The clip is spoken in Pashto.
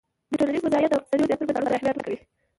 د ټولنیز وضععیت او اقتصادي وضعیت ترمنځ اړیکو ته اهمیت ورکوی